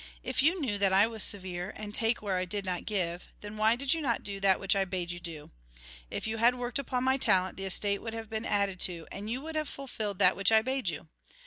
If you knew that I was severe, and take where I did not give, then why did you not do that which I bade you do ? If you had worked upon my talent, the estate would have been added to, and you would have fulfilled that which I bade you.